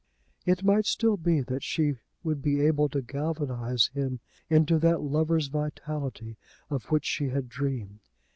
It might still be that she would be able to galvanise him into that lover's vitality, of which she had dreamed.